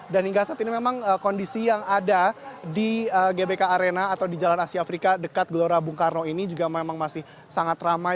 dan hingga saat ini memang kondisi yang ada di gbk arena atau di jalan asia afrika dekat gelora bung karno ini juga memang masih sangat ramai